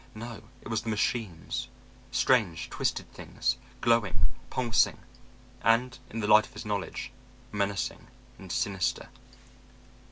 No it was the machines; strange, twisted things, glowing, pulsing, and in the light of his knowledge menacing and sinister.